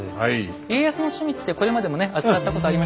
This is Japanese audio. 家康の趣味ってこれまでもね扱ったことありましたよね。